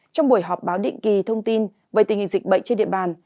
trong buổi họp báo định kỳ thông tin về tình hình dịch bệnh trên địa bàn